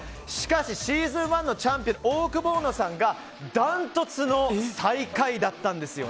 しかしシーズン１のチャンピオンオオクボーノさんがダントツの最下位でした。